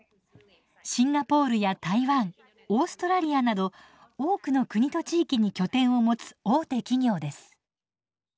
シンガポールや台湾オーストラリアなど多くの国と地域に拠点を持つ大手企業です。